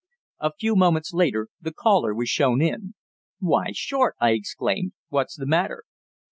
A few moments later the caller was shown in. "Why, Short!" I exclaimed. "What's the matter?"